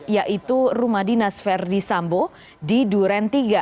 yaitu rumah dinas verdi sambo di duren tiga